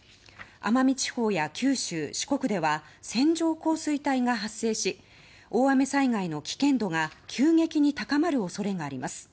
奄美地方や九州・四国では線状降水帯が発生し大雨災害の危険度が急激に高まる恐れがあります。